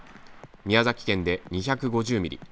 宮崎県で２５０ミリ